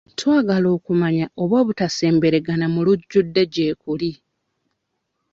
Twagala okumanya oba obutasemberagana mu lujjudde gye kuli.